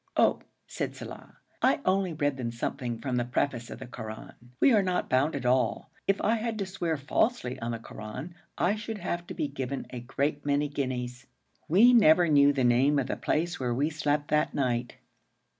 'Oh!' said Saleh, 'I only read them something from the preface of the Koran! We are not bound at all. If I had to swear falsely on the Koran, I should have to be given a great many guineas! We never knew the name of the place where we slept that night.